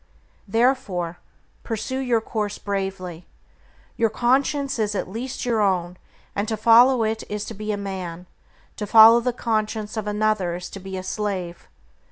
Therefore, pursue your course bravely. Your conscience is at least your own, and to follow it is to be a man; to follow the conscience of another is to be a slave.